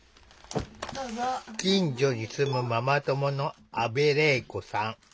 近所に住むママ友の阿部礼子さん。